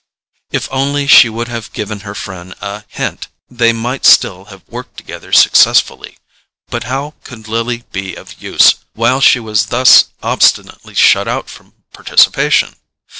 If only she would have given her friend a hint they might still have worked together successfully; but how could Lily be of use, while she was thus obstinately shut out from participation?